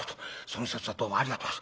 「その節はどうもありがとう。